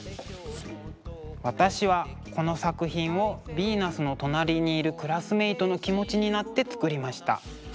私はこの作品をヴィーナスの隣にいるクラスメートの気持ちになって作りました。